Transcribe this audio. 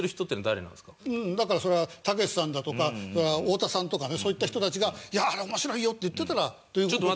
だからそれはたけしさんだとか太田さんとかねそういった人たちが「いやあれ面白いよ！」って言ってたら。